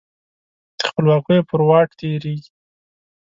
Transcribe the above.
د خپلواکیو پر واټ تیریږې